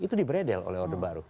itu diberedel oleh orde baru